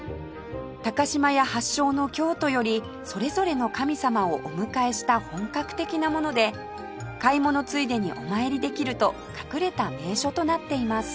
島屋発祥の京都よりそれぞれの神様をお迎えした本格的なもので買い物ついでにお参りできると隠れた名所となっています